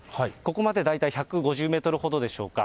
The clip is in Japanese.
ここまで大体１５０メートルほどでしょうか。